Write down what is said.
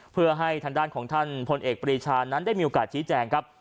เพื่อให้ทางด้านของท่านพลเอกปรีชานั้นได้มีโอกาสชี้แจงครับ